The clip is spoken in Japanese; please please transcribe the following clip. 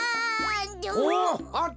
おおっあったぞ！